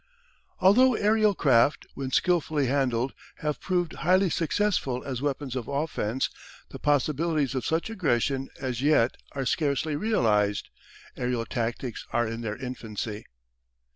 Although aerial craft, when skilfully handled, have proved highly successful as weapons of offence, the possibilities of such aggression as yet are scarcely realised; aerial tactics are in their infancy.